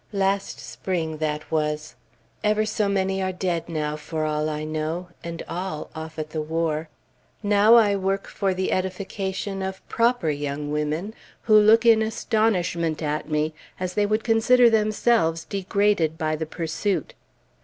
last spring, that was; ever so many are dead now, for all I know, and all off at the war. Now I work for the edification of proper young women, who look in astonishment at me, as they would consider themselves degraded by the pursuit.